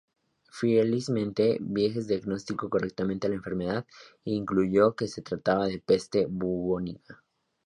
Felizmente, Viegas diagnosticó correctamente la enfermedad, y concluyó que se trataba de peste bubónica.